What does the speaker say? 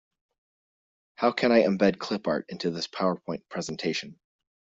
How can I embed clip art into this powerpoint presentation?